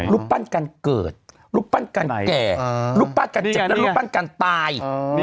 รูปปั้นการเกิดรูปปั้นการแก่รูปปั้นการเจ็บและรูปปั้นการตาย